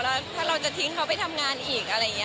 แล้วถ้าเราจะทิ้งเขาไปทำงานอีกอะไรอย่างนี้